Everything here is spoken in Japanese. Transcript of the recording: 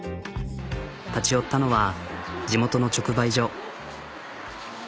立ち寄ったのは地元の直売所。